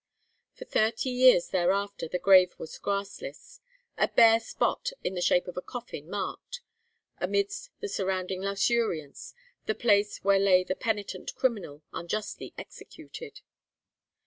For thirty years thereafter, the grave was grassless; a bare spot in the shape of a coffin marked, amidst the surrounding luxuriance, the place where lay the penitent criminal, unjustly executed.